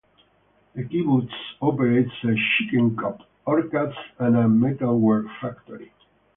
The kibbutz operates a chicken coop, orchards and a metalwork factory.